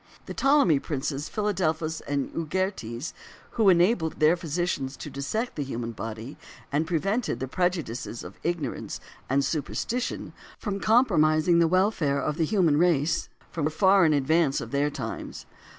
The Ptolemy princes Philadelphus and Euergetes, who enabled their physicians to dissect the human body, and prevented the prejudices of ignorance and superstition from compromising the welfare of the human race, were far in advance of their times.